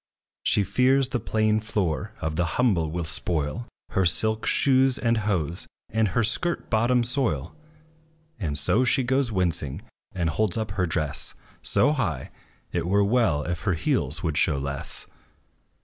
She fears the plain floor of the humble will spoil Her silk shoes and hose, and her skirt bottom soil; And so she goes winching; and holds up her dress So high, it were well if her heels would show less.